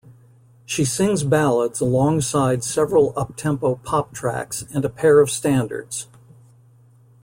She sings ballads alongside several uptempo pop tracks and a pair of standards.